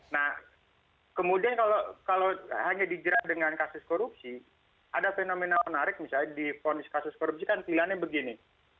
nah kemudian kalau hanya dijerat dengan kasus korupsi ada fenomena menarik misalnya di ponis kasus korupsi kan pilihannya begini